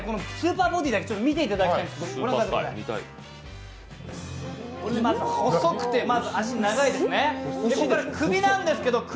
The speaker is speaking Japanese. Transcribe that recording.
スーパーボディだけ見ていただきたいんですけど。